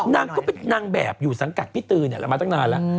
นางก็เป็นนางแบบรวมสังกัดพี่ตือมาตั้งนานแล้ว